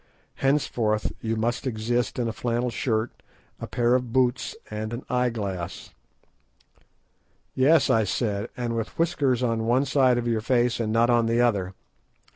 Henceforth you must exist in a flannel shirt, a pair of boots, and an eye glass." "Yes," I said, "and with whiskers on one side of your face and not on the other.